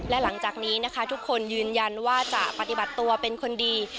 และหลังจากนี้นะคะทุกคนยืนยันว่าจะปฏิบัติตัวเป็นคนดี